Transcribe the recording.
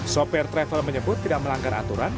sopir travel menyebut tidak melanggar aturan